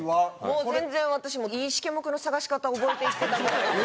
もう全然私もいいシケモクの探し方覚えていってたぐらいの。